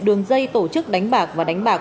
đường dây tổ chức đánh bạc và đánh bạc